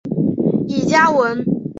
李嘉文。